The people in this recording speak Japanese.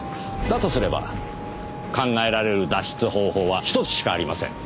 だとすれば考えられる脱出方法は１つしかありません。